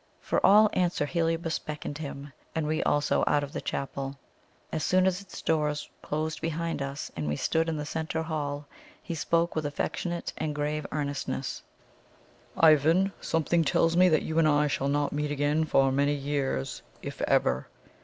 For all answer Heliobas beckoned him and me also out of the chapel. As soon as its doors closed behind us, and we stood in the centre hall, he spoke with affectionate and grave earnestness: "Ivan, something tells me that you and I shall not meet again for many years, if ever.